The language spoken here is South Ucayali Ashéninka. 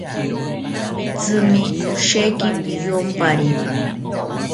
Pitzimi osheki piyompari